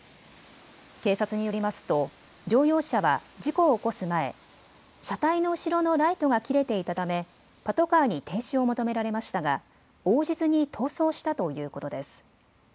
警察によりますと乗用車は事故を起こす前、車体の後ろのライトが切れていたためパトカーに停止を求められましたが応じずに逃走したということです。